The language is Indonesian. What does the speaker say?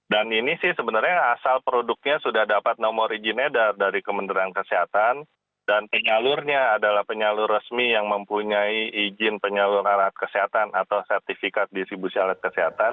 dan ini sih sebenarnya asal produknya sudah dapat nomor izinnya dari kementerian kesehatan dan penyalurnya adalah penyalur resmi yang mempunyai izin penyalur alat kesehatan atau sertifikat distribusi alat kesehatan